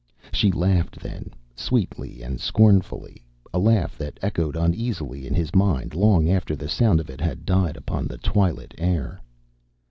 She laughed then, sweetly and scornfully, a laugh that echoed uneasily in his mind long after the sound of it had died upon the twilit air.